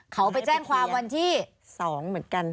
เขาไปแจ้งความวันที่๒เหมือนกัน